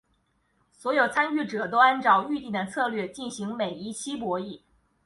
所有参与者都按照预定的策略进行每一期博弈。